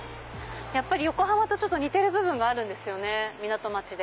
やっぱり横浜と似てる部分があるんですよね港町で。